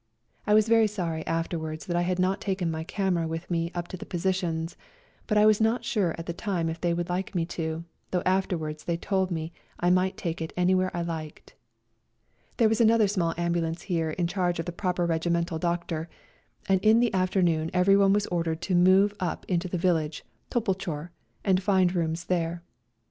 I was very sorry afterwards that I had not taken my camera with me up to the positions, but I was not sure at the time if they would like me to, though after wards they told me I might take it any where I liked. There was another small ambulance here in charge of the proper regimental A RIDE TO KALABAC 61 doctor, and in the afternoon everyone was ordered to move up into the village, Topolchor, and find rooms there.